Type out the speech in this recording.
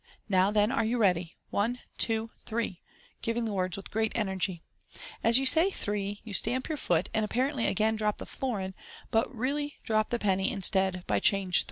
Now, then, are you ready ?— One ! twof! threb!!!" giving the words with great energy. As you say " three " you stamp your foot, and apparently again drop the florin, but really drop the penny instead, by Change 3.